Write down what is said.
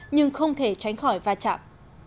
nhưng không thể tránh khỏi va chạm